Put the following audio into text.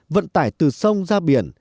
vận tải từ sông ra biển